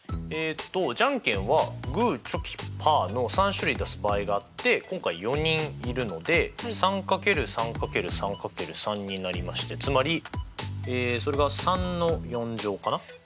じゃんけんはグーチョキパーの３種類出す場合があって今回４人いるので３×３×３×３になりましてつまりそれが３の４乗かな。ですね。